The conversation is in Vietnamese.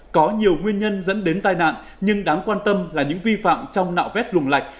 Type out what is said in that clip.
có nhiều nguyên nhân dẫn đến tai nạn nhưng đáng quan tâm là những vi phạm trong nạo vét lùng lạch